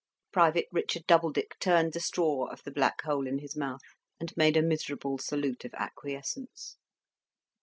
Private Richard Doubledick turned the straw of the Black hole in his month, and made a miserable salute of acquiescence.